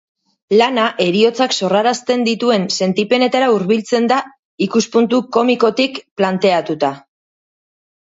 Lana heriotzak sorrarazten dituen sentipenetara hurbiltzen da, ikuspuntu komikotik planteatuta.